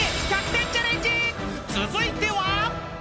［続いては］